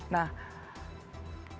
nah itu sangat penting